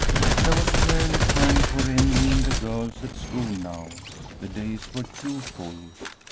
There was rarely time for envying the girls at school now. The days were too full.